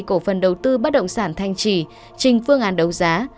cổ phần đầu tư bất động sản thanh trì trình phương án đấu giá